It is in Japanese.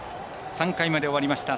３回まで終わりました。